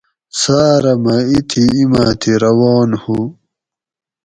ساٞرہ مٞہ اِتھی اِیماٞ تھی روان ہُو